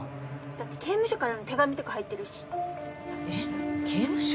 だって刑務所からの手紙とか入ってるしえっ刑務所？